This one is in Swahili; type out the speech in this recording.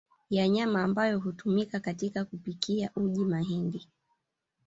ya nyama ambayo hutumika katika kupikia uji mahindi